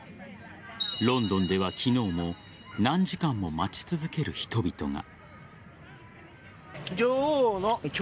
ロンドンでは昨日も何時間も待ち続ける人々が。